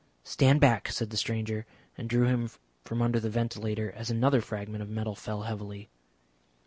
"Stand back," said the stranger, and drew him from under the ventilator as another fragment of metal fell heavily.